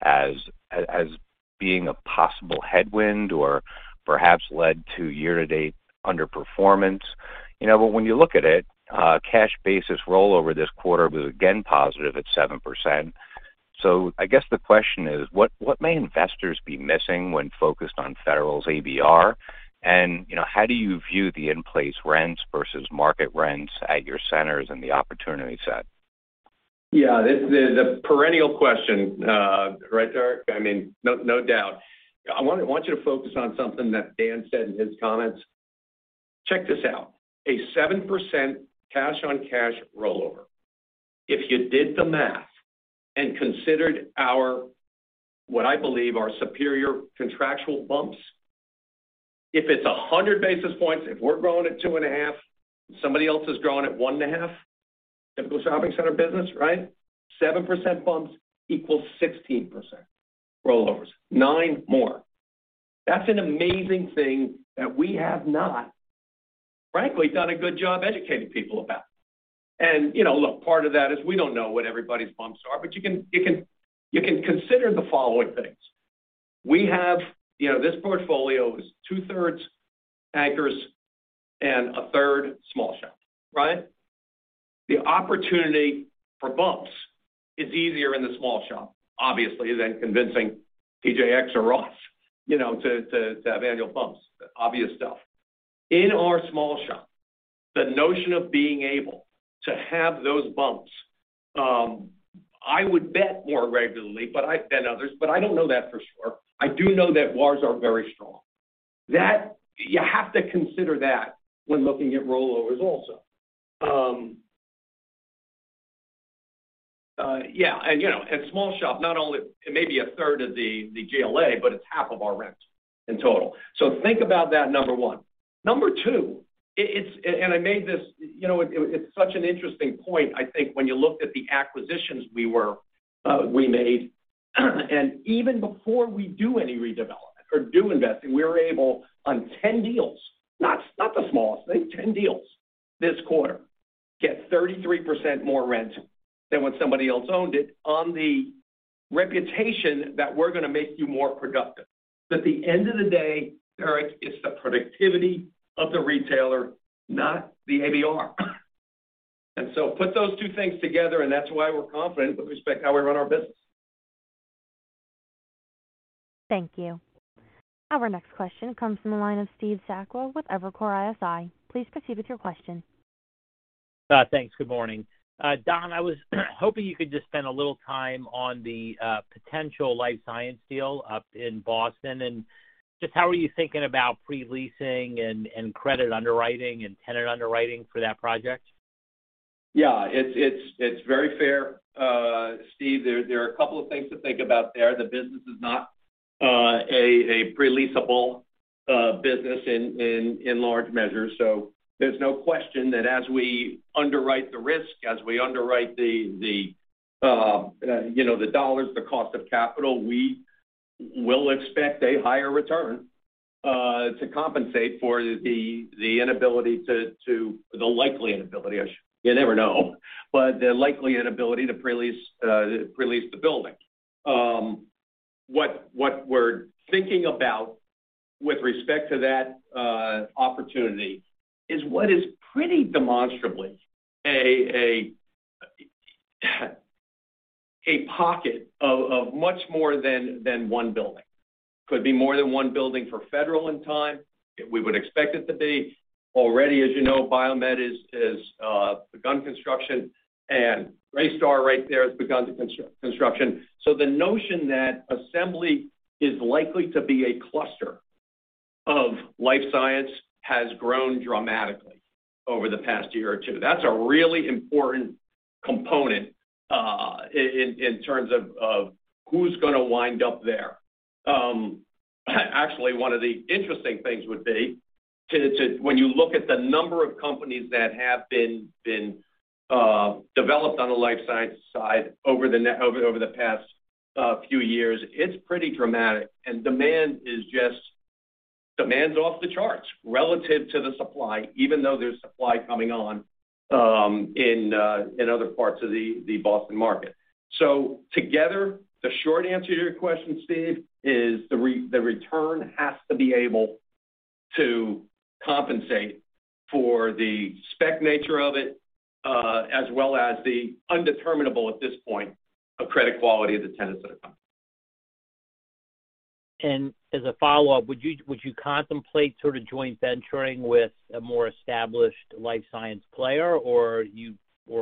as being a possible headwind or perhaps led to year-to-date underperformance. You know, but when you look at it, cash basis rollover this quarter was again positive at 7%. I guess the question is: What may investors be missing when focused on Federal's ABR? You know, how do you view the in-place rents versus market rents at your centers and the opportunity set?
Yeah, this is a perennial question, right, Derek? I mean, no doubt. I want you to focus on something that Dan said in his comments. Check this out. A 7% cash-on-cash rollover. If you did the math and considered our, what I believe are superior contractual bumps, if it's 100 basis points, if we're growing at 2.5, somebody else is growing at 1.5, typical shopping center business, right? 7% bumps equals 16% rollovers, 9 more. That's an amazing thing that we have not, frankly, done a good job educating people about. You know, look, part of that is we don't know what everybody's bumps are, but you can consider the following things. This portfolio is two-thirds anchors and a third small shop, right? The opportunity for bumps is easier in the small shop, obviously, than convincing TJX or Ross, you know, to have annual bumps, obvious stuff. In our small shop, the notion of being able to have those bumps, I would bet more regularly than others, but I don't know that for sure. I do know that WARs are very strong. You have to consider that when looking at rollovers also. You know, small shop, not only it may be a third of the GLA, but it's half of our rent in total. Think about that, number one. Number two, I made this. You know what, it's such an interesting point, I think, when you looked at the acquisitions we made, and even before we do any redevelopment or do investing, we were able, on 10 deals, not the smallest thing, 10 deals this quarter, get 33% more rent than when somebody else owned it on the reputation that we're gonna make you more productive. At the end of the day, Derek, it's the productivity of the retailer, not the ABR. Put those two things together, and that's why we're confident with respect how we run our business.
Thank you. Our next question comes from the line of Steve Sakwa with Evercore ISI. Please proceed with your question.
Thanks. Good morning. Don, I was hoping you could just spend a little time on the potential life science deal up in Boston. Just how are you thinking about pre-leasing and credit underwriting and tenant underwriting for that project?
Yeah, it's very fair. Steve, there are a couple of things to think about there. The business is not a pre-leasable business in large measures. There's no question that as we underwrite the risk, as we underwrite the, you know, the dollars, the cost of capital, we will expect a higher return To compensate for the likely inability to prelease the building. You never know. What we're thinking about with respect to that opportunity is what is pretty demonstrably a pocket of much more than one building. Could be more than one building for Federal in time. We would expect it to be. Already, as you know, BioMed Realty has begun construction, and RayStar right there has begun construction. The notion that Assembly is likely to be a cluster of life science has grown dramatically over the past year or two. That's a really important component in terms of who's gonna wind up there. Actually, one of the interesting things would be when you look at the number of companies that have been developed on the life science side over the past few years, it's pretty dramatic. Demand is just off the charts relative to the supply, even though there's supply coming on in other parts of the Boston market. Together, the short answer to your question, Steve, is the return has to be able to compensate for the spec nature of it, as well as the undeterminable, at this point, of credit quality of the tenants that are coming.
As a follow-up, would you contemplate sort of joint venturing with a more established life science player, or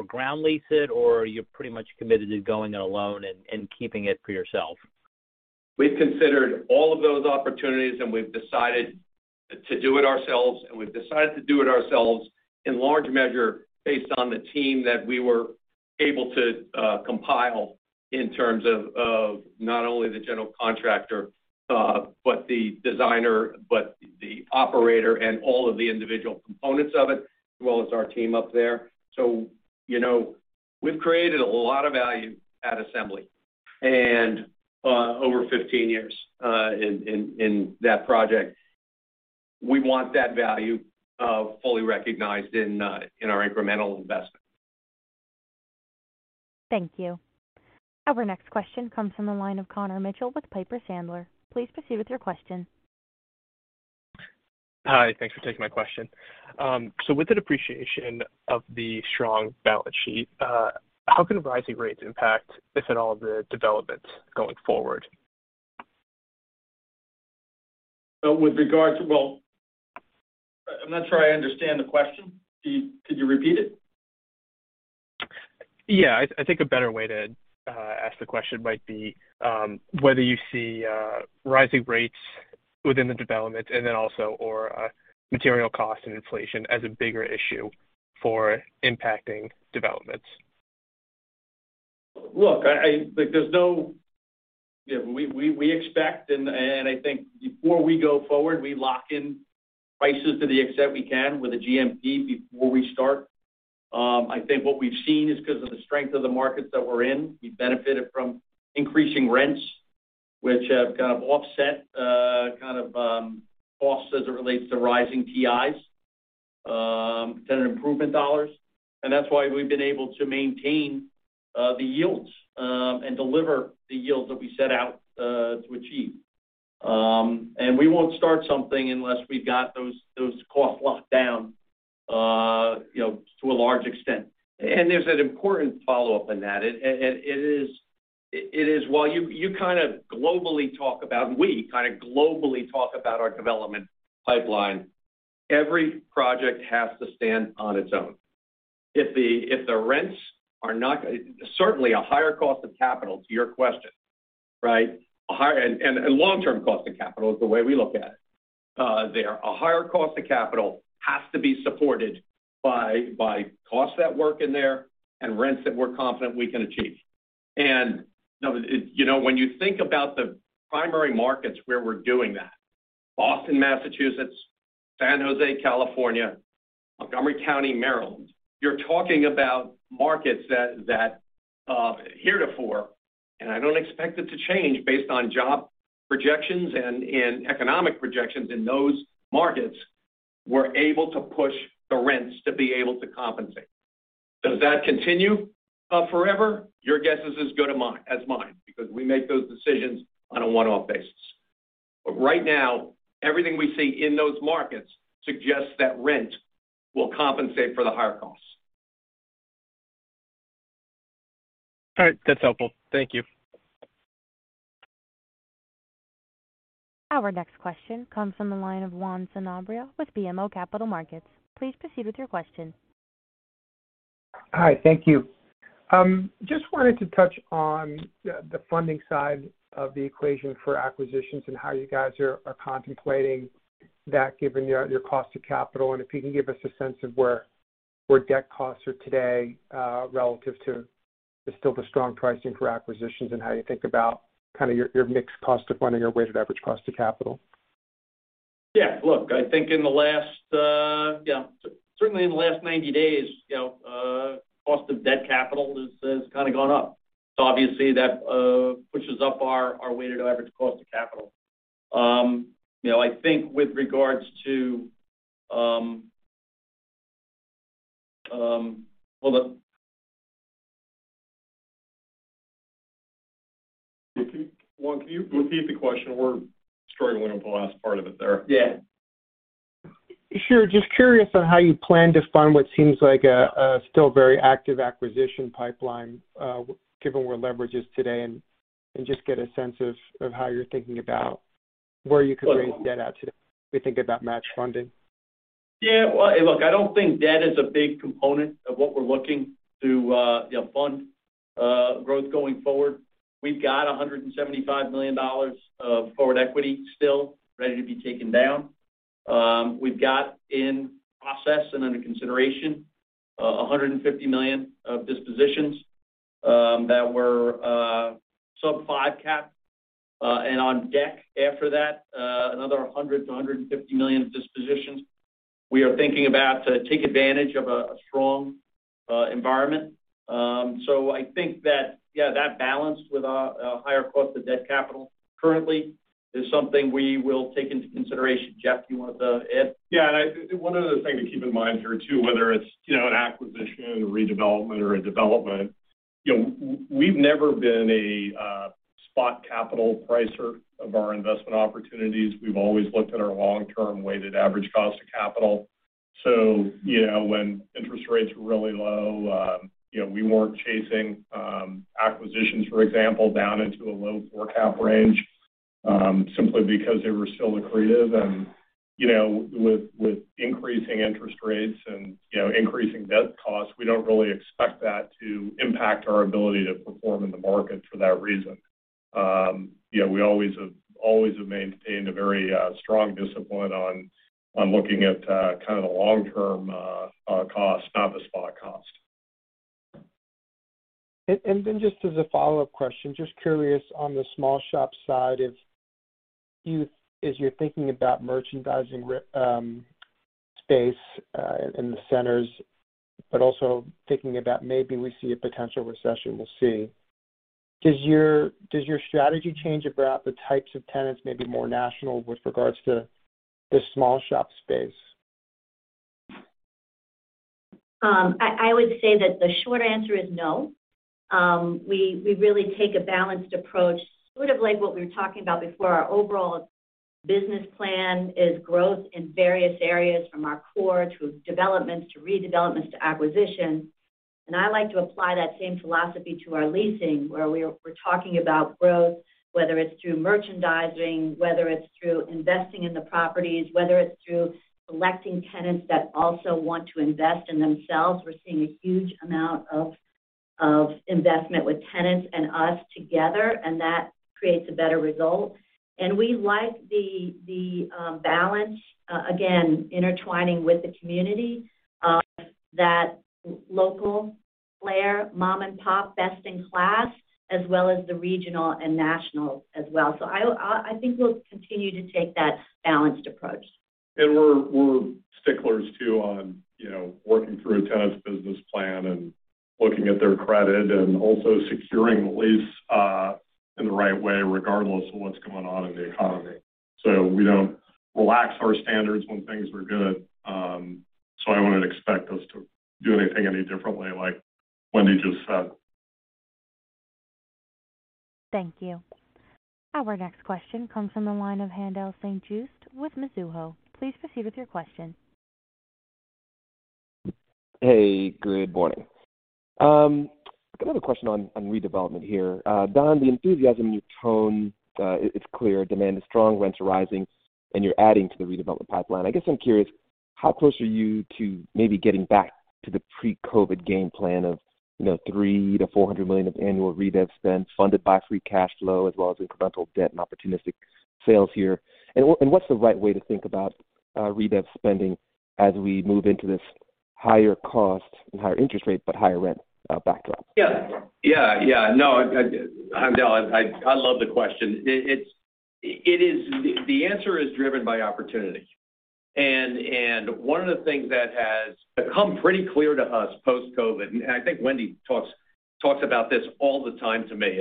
ground lease it, or you're pretty much committed to going it alone and keeping it for yourself?
We've considered all of those opportunities, and we've decided to do it ourselves. We've decided to do it ourselves in large measure based on the team that we were able to compile in terms of not only the general contractor, but the designer, but the operator and all of the individual components of it, as well as our team up there. You know, we've created a lot of value at Assembly and over 15 years in that project. We want that value fully recognized in our incremental investment.
Thank you. Our next question comes from the line of Connor Mitchell with Piper Sandler. Please proceed with your question.
Hi, thanks for taking my question. With an appreciation of the strong balance sheet, how can rising rates impact, if at all, the developments going forward?
Well, I'm not sure I understand the question. Could you repeat it?
Yeah. I think a better way to ask the question might be whether you see rising rates within the development and then also or material cost and inflation as a bigger issue for impacting developments.
We expect, and I think before we go forward, we lock in prices to the extent we can with a GMP before we start. I think what we've seen is 'cause of the strength of the markets that we're in, we've benefited from increasing rents, which have kind of offset costs as it relates to rising TIs, tenant improvement dollars, and that's why we've been able to maintain the yields and deliver the yields that we set out to achieve. We won't start something unless we've got those costs locked down, you know, to a large extent. There's an important follow-up in that. It is. While we kind of globally talk about our development pipeline, every project has to stand on its own. Certainly a higher cost of capital to your question, right? A long-term cost of capital is the way we look at it. A higher cost of capital has to be supported by costs that work in there and rents that we're confident we can achieve. You know, when you think about the primary markets where we're doing that, Boston, Massachusetts, San Jose, California, Montgomery County, Maryland. You're talking about markets that heretofore, and I don't expect it to change based on job projections and economic projections in those markets, we're able to push the rents to be able to compensate. Does that continue forever? Your guess is as good as mine, because we make those decisions on a one-off basis. Right now, everything we see in those markets suggests that rent will compensate for the higher costs.
All right. That's helpful. Thank you.
Our next question comes from the line of Juan Sanabria with BMO Capital Markets. Please proceed with your question.
Hi. Thank you. Just wanted to touch on the funding side of the equation for acquisitions and how you guys are contemplating that given your cost of capital, and if you can give us a sense of where debt costs are today, relative to still the strong pricing for acquisitions and how you think about kind of your mixed cost of funding or weighted average cost of capital.
Yeah. Look, I think in the last 90 days, certainly in the last 90 days, you know, cost of debt capital has kind of gone up. So obviously that pushes up our weighted average cost of capital. You know, I think with regards to. Hold on.
Juan, can you repeat the question? We're struggling with the last part of it there.
Yeah.
Sure. Just curious on how you plan to fund what seems like a still very active acquisition pipeline, given where leverage is today, and just get a sense of how you're thinking about where you could raise debt at today. We think about match funding.
Yeah. Well, look, I don't think debt is a big component of what we're looking to, you know, fund growth going forward. We've got $175 million of forward equity still ready to be taken down. We've got in process and under consideration, $150 million of dispositions that were sub-5 cap. On deck after that, another $100-$150 million of dispositions we are thinking about to take advantage of a strong environment. I think that, yeah, that balance with a higher cost of debt capital currently is something we will take into consideration. Jeff, you want to add?
Yeah. One other thing to keep in mind here too, whether it's, you know, an acquisition, a redevelopment or a development, you know, we've never been a spot capital pricer of our investment opportunities. We've always looked at our long-term weighted average cost of capital. When interest rates were really low, you know, we weren't chasing acquisitions, for example, down into a low 4 cap range simply because they were still accretive. With increasing interest rates and increasing debt costs, we don't really expect that to impact our ability to perform in the market for that reason. You know, we always have maintained a very strong discipline on looking at kind of the long-term cost, not the spot cost.
Just as a follow-up question, just curious on the small shop side, if you're thinking about merchandising space in the centers, but also thinking about maybe we see a potential recession, we'll see. Does your strategy change about the types of tenants may be more national with regards to the small shop space?
I would say that the short answer is no. We really take a balanced approach, sort of like what we were talking about before. Our overall business plan is growth in various areas, from our core to developments, to redevelopments, to acquisitions. I like to apply that same philosophy to our leasing, where we're talking about growth, whether it's through merchandising, whether it's through investing in the properties, whether it's through selecting tenants that also want to invest in themselves. We're seeing a huge amount of investment with tenants and us together, and that creates a better result. We like the balance, again, intertwining with the community, that local player, mom and pop, best in class, as well as the regional and national as well. I think we'll continue to take that balanced approach.
We're sticklers too, you know, on working through a tenant's business plan and looking at their credit and also securing the lease in the right way, regardless of what's going on in the economy. We don't relax our standards when things are good, so I wouldn't expect us to do anything any differently, like Wendy just said.
Thank you. Our next question comes from the line of Haendel St. Juste with Mizuho. Please proceed with your question.
Hey, good morning. Got another question on redevelopment here. Don, the enthusiasm in your tone, it's clear demand is strong, rents are rising, and you're adding to the redevelopment pipeline. I guess I'm curious, how close are you to maybe getting back to the pre-COVID game plan of, you know, $300 million-$400 million of annual redev spend, funded by free cash flow as well as incremental debt and opportunistic sales here? What's the right way to think about redev spending as we move into this higher cost and higher interest rate but higher rent backdrop?
Yeah. No, Haendel, I love the question. It is. The answer is driven by opportunity. One of the things that has become pretty clear to us post-COVID, and I think Wendy talks about this all the time to me,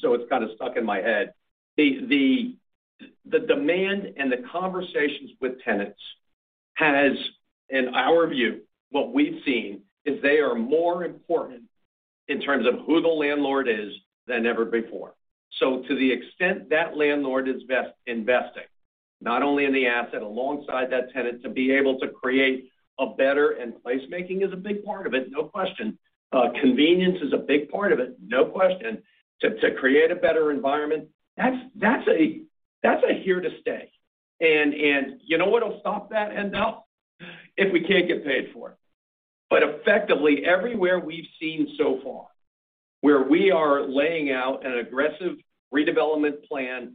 so it's kind of stuck in my head. The demand and the conversations with tenants has, in our view, what we've seen is they are more important in terms of who the landlord is than ever before. So to the extent that landlord is investing, not only in the asset alongside that tenant, to be able to create a better, and placemaking is a big part of it, no question. Convenience is a big part of it, no question. To create a better environment, that's a here to stay. You know what'll stop that, Haendel? If we can't get paid for it. Effectively, everywhere we've seen so far, where we are laying out an aggressive redevelopment plan,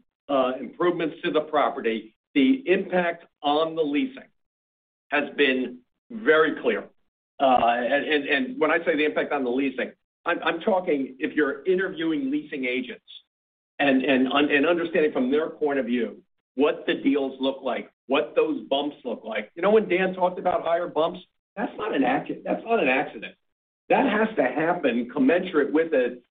improvements to the property, the impact on the leasing has been very clear. When I say the impact on the leasing, I'm talking if you're interviewing leasing agents and understanding from their point of view what the deals look like, what those bumps look like. You know when Dan talked about higher bumps, that's not an accident. That has to happen commensurate with a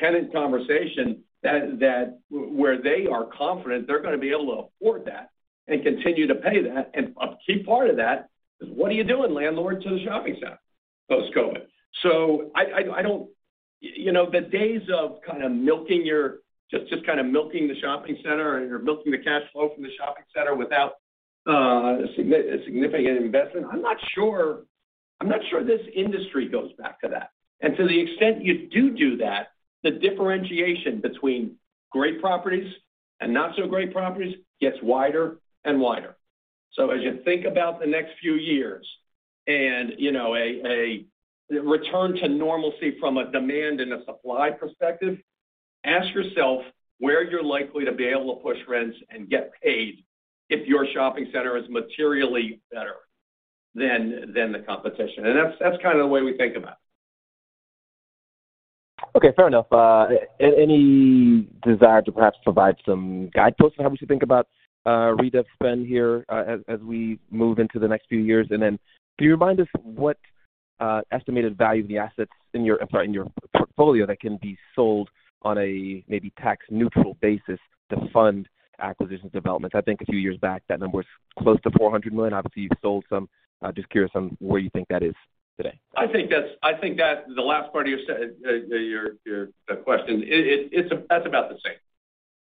tenant conversation that where they are confident they're gonna be able to afford that and continue to pay that. A key part of that is what are you doing, landlord, to the shopping center post-COVID? I don't. You know, the days of kind of just kind of milking the shopping center or milking the cash flow from the shopping center without a significant investment. I'm not sure this industry goes back to that. To the extent you do that, the differentiation between great properties and not so great properties gets wider and wider. As you think about the next few years and, you know, a return to normalcy from a demand and a supply perspective, ask yourself where you're likely to be able to push rents and get paid if your shopping center is materially better than the competition. That's kind of the way we think about it.
Okay. Fair enough. Any desire to perhaps provide some guideposts for how we should think about redev spend here as we move into the next few years? Can you remind us what estimated value of the assets in your, I'm sorry, in your portfolio that can be sold on a maybe tax neutral basis to fund acquisitions development? I think a few years back that number was close to $400 million. Obviously, you've sold some. Just curious on where you think that is today.
I think that the last part of your question that's about the same.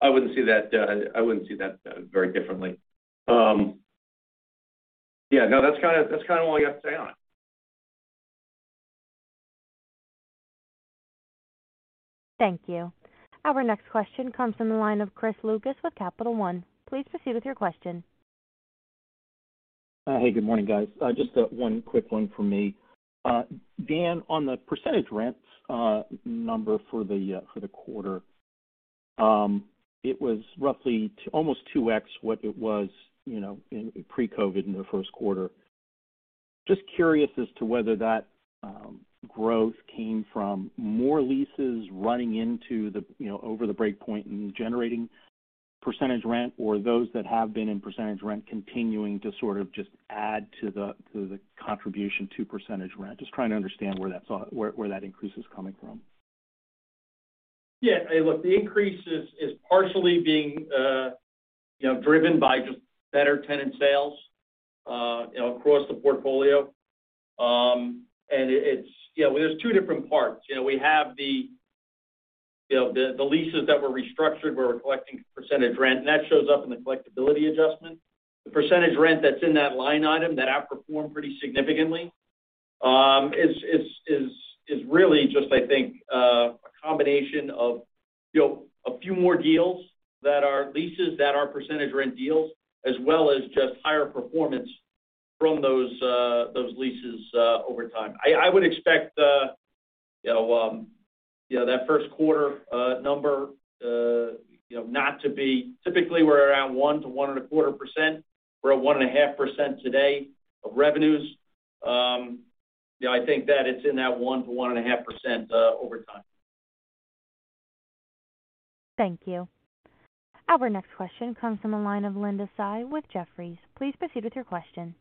I wouldn't see that very differently. Yeah, no, that's kinda all I got to say on it.
Thank you. Our next question comes from the line of Chris Lucas with Capital One. Please proceed with your question.
Hey, good morning, guys. Just one quick one from me. Dan, on the percentage rents number for the quarter, it was roughly almost 2x what it was, you know, in pre-COVID in the Q1. Just curious as to whether that growth came from more leases running into the, you know, over the break point and generating percentage rent or those that have been in percentage rent continuing to sort of just add to the contribution to percentage rent. Just trying to understand where that increase is coming from.
Yeah. Look, the increase is partially being, you know, driven by just better tenant sales, you know, across the portfolio. It's you know, there's two different parts. You know, we have the leases that were restructured where we're collecting percentage rent, and that shows up in the collectibility adjustment. The percentage rent that's in that line item that outperformed pretty significantly is really just, I think, a combination of, you know, a few more deals that are percentage rent deals, as well as just higher performance from those leases over time. I would expect that Q1 number not to be. Typically, we're around 1-1.25%. We're at 1.5% today of revenues. You know, I think that it's in that 1%-1.5% over time.
Thank you. Our next question comes from the line of Linda Tsai with Jefferies. Please proceed with your question.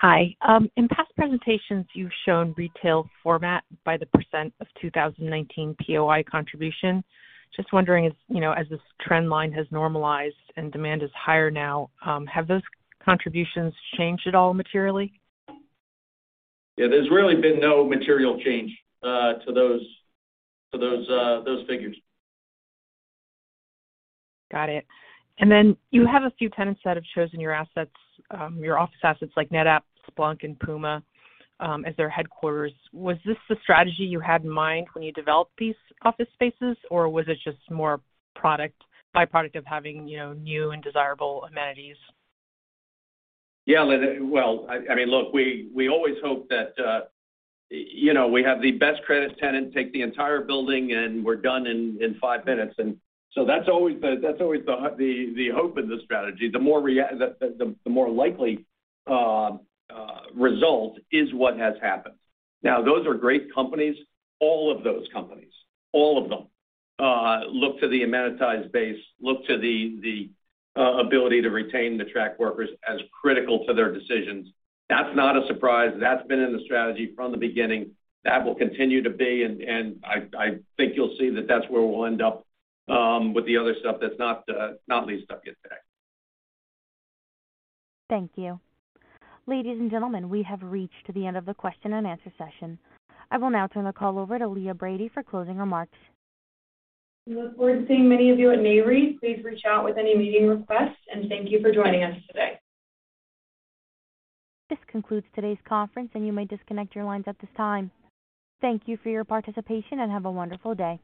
Hi. In past presentations, you've shown retail format by the % of 2019 POI contribution. Just wondering if, you know, as this trend line has normalized and demand is higher now, have those contributions changed at all materially?
Yeah, there's really been no material change to those figures.
Got it. You have a few tenants that have chosen your assets, your office assets like NetApp, Splunk, and PUMA, as their headquarters. Was this the strategy you had in mind when you developed these office spaces, or was it just more byproduct of having, you know, new and desirable amenities?
Yeah. Well, I mean, look, we always hope that we have the best credit tenant take the entire building, and we're done in five minutes. That's always the hope and the strategy. The more likely result is what has happened. Now, those are great companies. All of those companies, all of them look to the amenitized base, look to the ability to retain the tech workers as critical to their decisions. That's not a surprise. That's been in the strategy from the beginning. That will continue to be, and I think you'll see that that's where we'll end up with the other stuff that's not leased up yet today.
Thank you. Ladies and gentlemen, we have reached the end of the question and answer session. I will now turn the call over to Leah Brady for closing remarks.
We look forward to seeing many of you at NAREIT. Please reach out with any meeting requests. Thank you for joining us today.
This concludes today's conference, and you may disconnect your lines at this time. Thank you for your participation, and have a wonderful day.